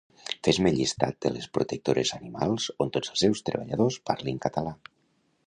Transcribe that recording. Fes-me llistat de les Protectores Animals on tots els seus treballadors parlin català